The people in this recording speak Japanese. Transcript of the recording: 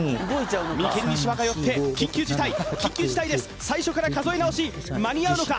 眉間にシワがよって緊急事態緊急事態です最初から数え直し間に合うのか？